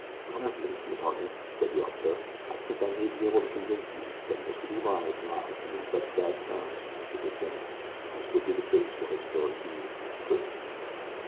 "Come with me, Miss Harding," said the officer. "I think that I may be able to convince you that Mr. Divine is not on any such bad terms with Skipper Simms as would be the case were his story to you true."